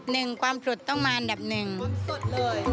นึงความปรุดต้องมันแบบนึงสดเลย